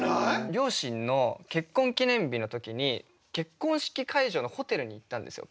両親の結婚記念日の時に結婚式会場のホテルに行ったんですよ